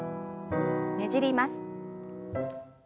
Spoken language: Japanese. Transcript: ねじります。